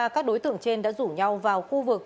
các đối tượng trên đã rủ nhau vào khu vực